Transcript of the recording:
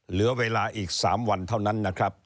เหลือเวลาอีก๓วันเท่านั้นนะครับ